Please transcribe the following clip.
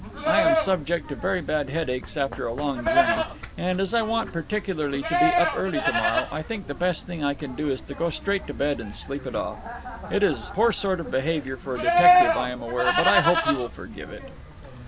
I am subject to very bad headaches after a long journey; and, as I want particularly to be up early to morrow, I think the best thing I can do is to go straight to bed and sleep it off. It is poor sort of behaviour for a detective, I am aware, but I hope you will forgive it."